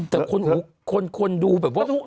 แต่คนดูแบบว่า